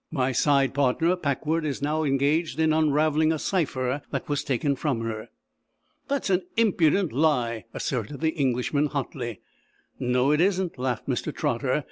My side partner, Packwood, is now engaged in unraveling a cipher that was taken from her." "That's an impudent lie," asserted the Englishman, hotly. "No it isn't," laughed Mr. Trotter.